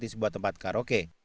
di sebuah tempat karaoke